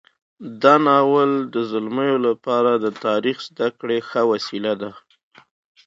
دا ناول د زلمیو لپاره د تاریخ زده کړې ښه وسیله ده.